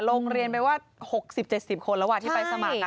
ลงเรียนไปว่า๖๐๗๐คนระหว่างที่ไปสมัครนะ